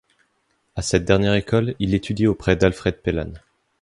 À cette dernière École, il étudie auprès d'Alfred Pellan.